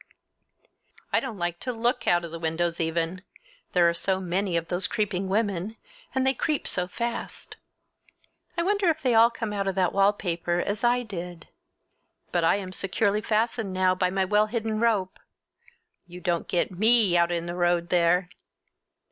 I don't like to look out of the windows even—there are so many of those creeping women, and they creep so fast. I wonder if they all come out of that wallpaper as I did? But I am securely fastened now by my well hidden rope—you don't get me out in the road there!